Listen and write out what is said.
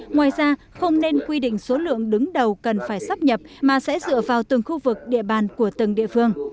ngoài ra không nên quy định số lượng đứng đầu cần phải sắp nhập mà sẽ dựa vào từng khu vực địa bàn của từng địa phương